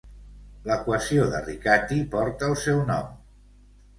L'equació de Riccati porta el seu nom.